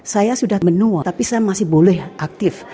saya sudah menemu tapi saya masih boleh aktif